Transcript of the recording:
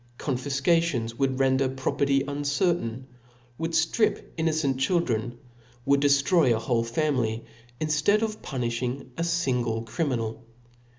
Confifcations would render property uncer tain, would ftrip innocent children, would deftroy a whole family, inftead of punifliing a fingle crimi ' nal.